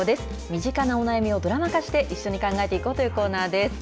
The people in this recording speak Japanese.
身近なお悩みをドラマ化して、一緒に考えていこうというコーナーです。